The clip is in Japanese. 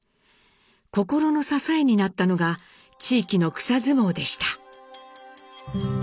心の支えになったのが地域の草相撲でした。